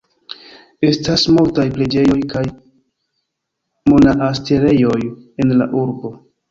Estas multaj preĝejoj kaj monaasterejoj en la urbo.